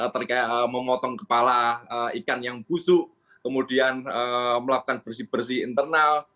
terkait memotong kepala ikan yang busuk kemudian melakukan bersih bersih internal